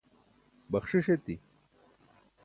baxṣiṣ eti